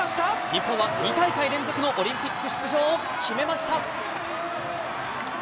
日本は２大会連続のオリンピック出場を決めました。